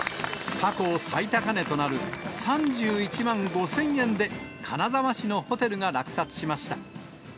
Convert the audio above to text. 過去最高値となる３１万５０００円で金沢市のホテルが落札しました。